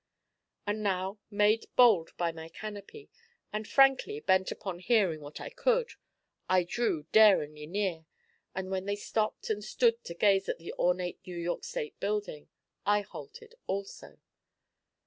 And now, made bold by my canopy, and frankly bent upon hearing what I could, I drew daringly near, and when they stopped and stood to gaze at the ornate New York State Building, I halted also.